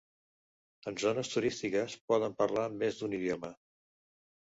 En zones turístiques poden parlar més d'un idioma.